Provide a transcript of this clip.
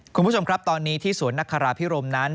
คุณผู้ชมครับตอนนี้ที่สวนนักคาราพิรมนั้น